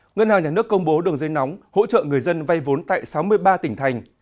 ngân hàng nhà nước công bố đường dây nóng hỗ trợ người dân vay vốn tại sáu mươi ba tỉnh thành